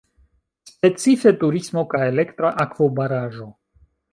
Specife turismo kaj elektra akvobaraĵo.